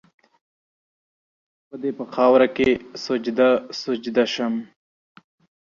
ما ویل زه به دي په خاوره کي سجده سجده سم